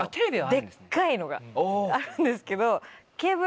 デッカいのがあるんですけど。